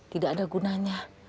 tidak ada gunanya